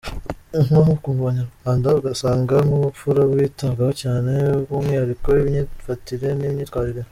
Nko ku banyarwanda ugasanga nk’ubupfura bwitabwaho cyane by’umwihariko imyifatire n’imyitwarire.